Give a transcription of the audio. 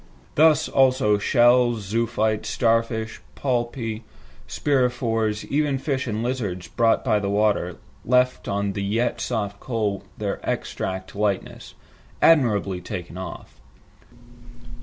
Thus also shells, zoophytes, star fish, polypi, spirifores, even fish and lizards brought by the water, left on the yet soft coal their exact likeness, "admirably taken off."